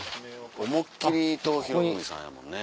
思っ切り伊藤博文さんやもんね。